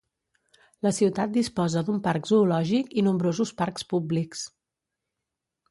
La ciutat disposa d'un parc zoològic i nombrosos parcs públics.